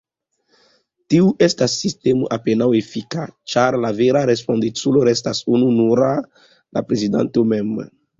Tiu estas sistemo apenaŭ efika, ĉar la vera respondeculo restas ununura: la prezidanto mem.